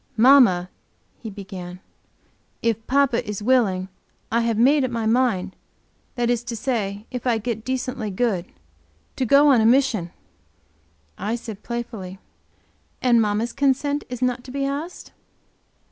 "Mamma," he began, "if papa is willing, I have made up my mind that is to say if I get decently good to go on a mission." I said playfully: "And mamma's consent is not to be asked?"